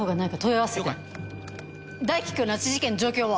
大樹君拉致事件の状況は？